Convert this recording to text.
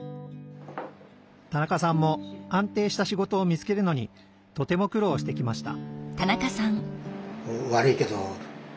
田中さんも安定した仕事を見つけるのにとても苦労してきました